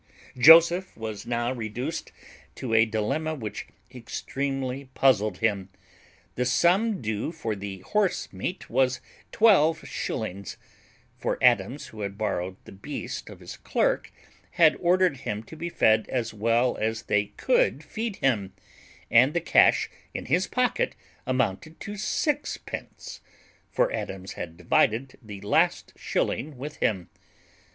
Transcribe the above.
Joseph was now reduced to a dilemma which extremely puzzled him. The sum due for horse meat was twelve shillings (for Adams, who had borrowed the beast of his clerk, had ordered him to be fed as well as they could feed him), and the cash in his pocket amounted to sixpence (for Adams had divided the last shilling with him).